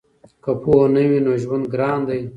که پوهه نه وي نو ژوند ګران دی.